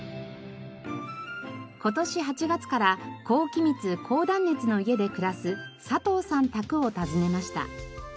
今年８月から高気密高断熱の家で暮らす佐藤さん宅を訪ねました。